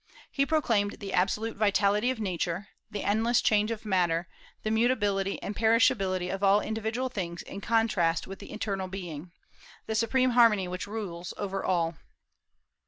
He proclaimed the absolute vitality of Nature, the endless change of matter, the mutability and perishability of all individual things in contrast with the eternal Being, the supreme harmony which rules over all."